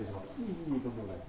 いえいえとんでもない。